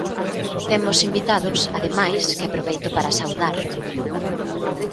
Temos invitados, ademais, que aproveito para saudar.